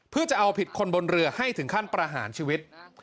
เพื่อจะเอาผิดคนบนเรือให้ถึงขั้นประหารชีวิต